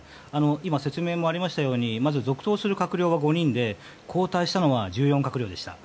今、説明もありましたように続投の閣僚が５人で交代したのは１４閣僚でした。